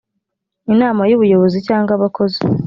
inama y ubuyobozi cyangwa abakozi